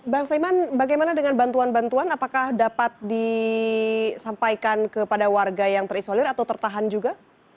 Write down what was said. bang saiman bagaimana dengan bantuan bantuan apakah dapat disampaikan kepada warga yang terisolir atau tertahan juga